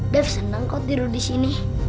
dev senang kok tidur disini